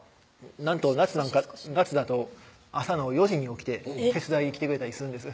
なんと夏だと朝の４時に起きて手伝いに来てくれたりするんです